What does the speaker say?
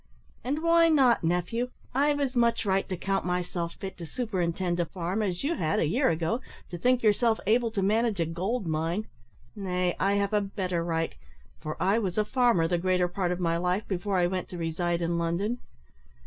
"And why not, nephew? I've as much right to count myself fit to superintend a farm, as you had, a year ago, to think yourself able to manage a gold mine. Nay, I have a better right for I was a farmer the greater part of my life before I went to reside in London.